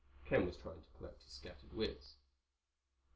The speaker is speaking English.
Ken was trying to collect his scattered wits.